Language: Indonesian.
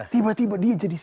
tiba tiba dia jadi